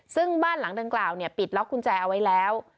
ซึ่งบ้านหลังดังกล่าวปิดล็อกกุญแจเอาไว้แล้ว